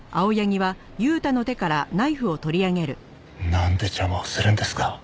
なんで邪魔をするんですか。